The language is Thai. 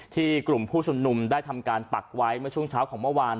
กลุ่มผู้ชุมนุมได้ทำการปักไว้เมื่อช่วงเช้าของเมื่อวาน